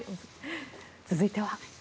続いては。